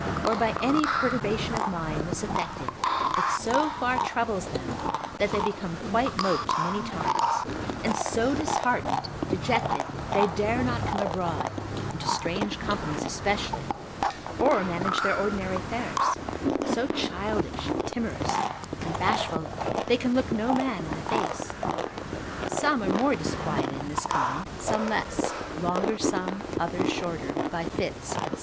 or by any perturbation of mind, misaffected, it so far troubles them, that they become quite moped many times, and so disheartened, dejected, they dare not come abroad, into strange companies especially, or manage their ordinary affairs, so childish, timorous, and bashful, they can look no man in the face; some are more disquieted in this kind, some less, longer some, others shorter, by fits, &c.